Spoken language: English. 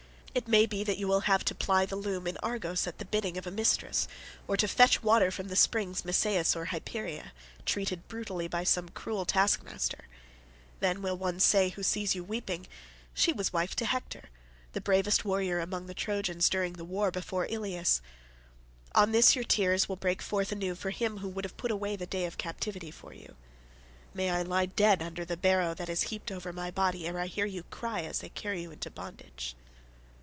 It may be that you will have to ply the loom in Argos at the bidding of a mistress, or to fetch water from the springs Messeis or Hypereia, treated brutally by some cruel task master; then will one say who sees you weeping, 'She was wife to Hector, the bravest warrior among the Trojans during the war before Ilius.' On this your tears will break forth anew for him who would have put away the day of captivity from you. May I lie dead under the barrow that is heaped over my body ere I hear your cry as they carry you into bondage."